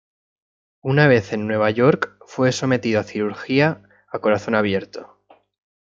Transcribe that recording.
Una vez en Nueva York fue sometido a cirugía a corazón abierto.